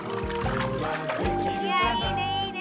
いやいいねいいね。